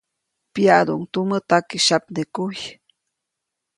Pyaʼduʼuŋ tumä takisyapnekuy.